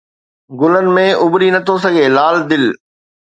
گلن ۾ اُڀري نٿو سگهي، لال دل